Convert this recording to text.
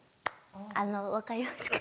あの分かりますか？